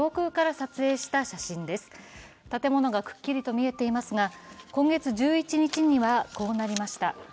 建物がくっきりと見えていますが、今月１１日にはこうなりました。